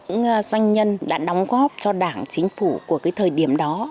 những doanh nhân đã đóng góp cho đảng chính phủ của cái thời điểm đó